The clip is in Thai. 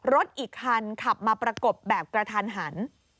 รถอีกคันขับมาประกบแบบกระทันหัน